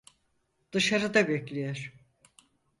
Dışarıda bekliyor.